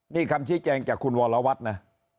นี่คำชี้แจงจากคุณวรวัตรนะ